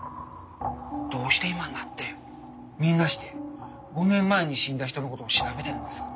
どうして今になってみんなして５年前に死んだ人の事を調べてるんですか？